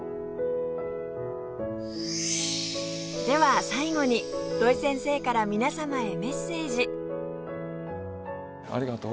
では最後に土井先生から皆様へメッセージ